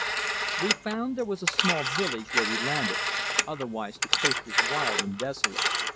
We found there was a small village where we landed, otherwise the coast was wild and desolate.